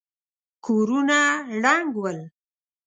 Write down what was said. کورونه ړنګ ول.